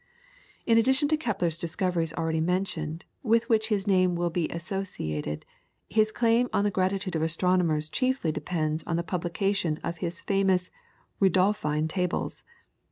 In addition to Kepler's discoveries already mentioned, with which his name will be for ever associated, his claim on the gratitude of astronomers chiefly depends on the publication of his famous Rudolphine tables.